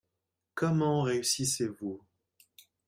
Comment réussissez-vous ?